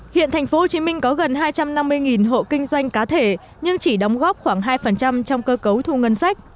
hiện tp hcm có gần hai trăm năm mươi hộ kinh doanh cá thể nhưng chỉ đóng góp khoảng hai trong cơ cấu thu ngân sách